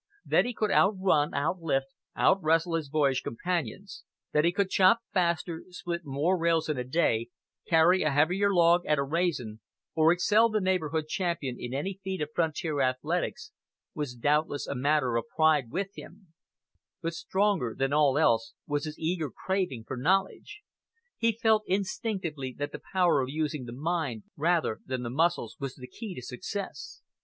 That he could outrun, outlift, outwrestle his boyish companions, that he could chop faster, split more rails in a day, carry a heavier log at a "raising," or excel the neighborhood champion in any feat of frontier athletics, was doubtless a matter of pride with him; but stronger than all else was his eager craving for knowledge. He felt instinctively that the power of using the mind rather than the muscles was the key to success.